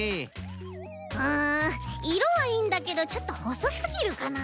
うんいろはいいんだけどちょっとほそすぎるかなあ。